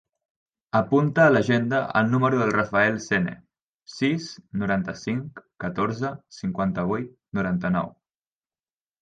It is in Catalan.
Apunta a l'agenda el número del Rafael Sene: sis, noranta-cinc, catorze, cinquanta-vuit, noranta-nou.